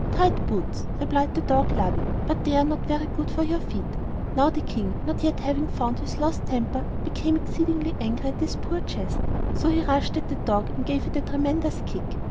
"Tight boots," replied the dog, laughing; "but they are not very good for your feet." Now the King, not yet having found his lost temper, became exceedingly angry at this poor jest; so he rushed at the dog and gave it a tremendous kick.